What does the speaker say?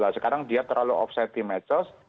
sekarang dia terlalu off set di mecos